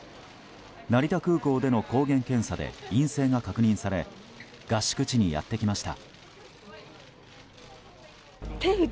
成田空港での抗原検査で陰性が確認され合宿地にやってきました。